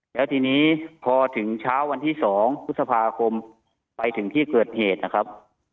แล้วทีนี้พอถึงเช้าวันที่๒พฤษภาคมไปถึงที่เกิดเหตุนะครับ